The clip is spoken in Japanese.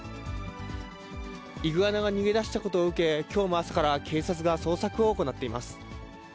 イグアナが逃げ出したことを受け、きょうも朝から警察が捜索を行っています。